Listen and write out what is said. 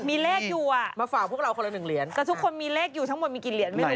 มีเลขอยู่อ่ะมาฝากพวกเราคนละหนึ่งเหรียญแต่ทุกคนมีเลขอยู่ทั้งหมดมีกี่เหรียญไม่รู้